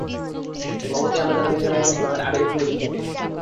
স্বভাবতই আমরা যারা দেশের বাইরে থাকি তাদের আবেগ একটু বেশি থাকে।